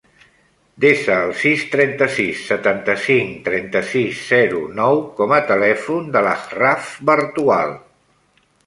Desa el sis, trenta-sis, setanta-cinc, trenta-sis, zero, nou com a telèfon de l'Achraf Bartual.